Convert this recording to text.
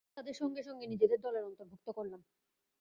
আমরা তাদের সঙ্গে সঙ্গে নিজেদের দলের অন্তর্ভুক্ত করলাম।